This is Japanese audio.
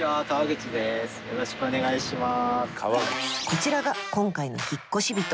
こちらが今回の引っ越し人